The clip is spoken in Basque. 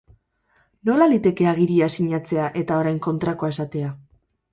Nola liteke agiria sinatzea eta orain kontrakoa esatea.